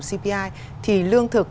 cpi thì lương thực